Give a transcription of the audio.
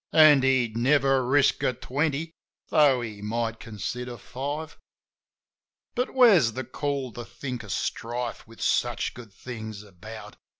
An' he'd never risk a twenty — tho' he might consider five. A MORNING SONG 87 But where's the call to think of strife with such good things about